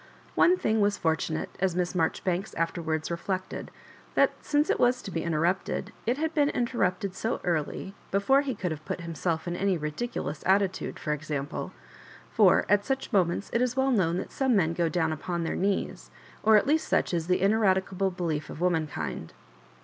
One thing was fortunate, as Miss Marjoribanks afterwards reflected, that since it Digitized by VjOOQIC lass 1IABJ0BIBAKS& was to be interrupteii it had been interrapted 80 early, before he oould have put himself in any ridiculoos attitude, for example; for at such mo ments it is well known that some men go down upon their knees— or at least sudi is the ineradi cable belief of womankind.